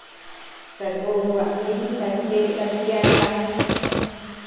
Takó gua eanuta jeʼeta tiaka.